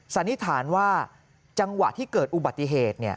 สันนิษฐานว่าจังหวะที่เกิดอุบัติเหตุ